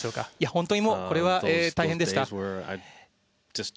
本当にこれはもう大変でした。